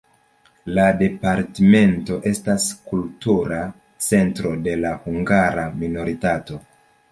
La departemento estas kultura centro de la hungara minoritato.